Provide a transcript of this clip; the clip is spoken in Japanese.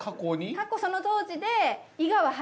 過去その当時で。